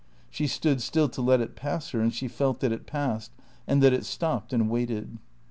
She stood still to let it pass her, and she felt that it passed, and that it stopped and waited.